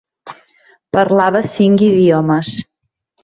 Parlava cinc idiomes.